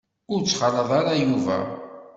Ur ttxalaḍ ara Yuba.